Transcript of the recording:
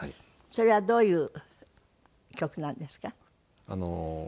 それはどういう曲なんですか？